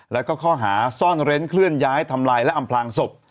แล้วก็ข้อหาซ่อนเร้นเคลื่อนย้ายทำลายและอำพลางศพ